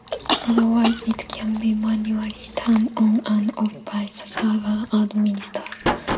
Otherwise it can be manually turned on and off by the server administrator.